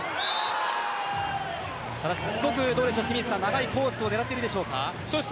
清水さん、しつこく長いコース狙っているでしょうか。